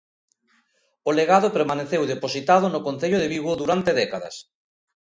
O legado permaneceu depositado no Concello de Vigo durante décadas.